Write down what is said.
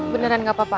beneran gak apa apa